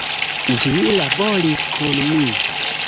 Vi laboris kun mi??